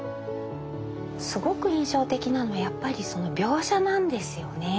すごく印象的なのはやっぱりその描写なんですよね。